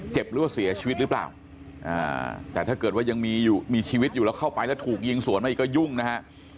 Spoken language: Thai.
หรือว่าเสียชีวิตหรือเปล่าแต่ถ้าเกิดว่ายังมีชีวิตอยู่แล้วเข้าไปแล้วถูกยิงสวนมาอีกก็ยุ่งนะฮะ